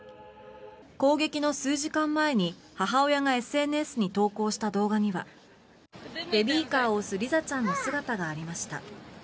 攻撃の数時間前に母親がＳＮＳに投稿した動画にはベビーカーを押すリザちゃんの姿がありました。